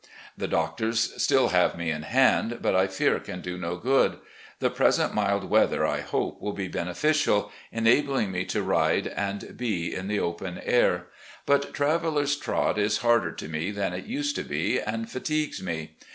The doctors still have me in hand, but I fear can do no good. The present mild weather I hope will be beneficial. 374 RECOLLECTIONS OP GENERAL LEE enabling me to ride and be in the open air. But Travdler's trot is harder to me than it used to be and fatigues me.